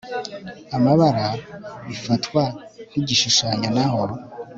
amabara bifatwa nk igishushanyo naho